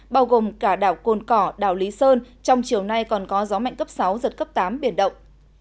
bao gồm cả đảo côn cỏ đảo lý sơn trong chiều nay còn có gió mạnh cấp sáu giật cấp tám biển động